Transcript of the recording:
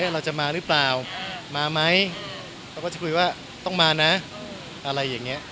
เราจะมาหรือเปล่ามาไหมเราก็จะคุยว่าต้องมานะอะไรอย่างนี้